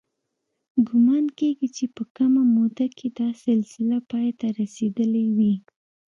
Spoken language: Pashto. ګومان کېږي چې په کمه موده کې دا سلسله پای ته رسېدلې وي.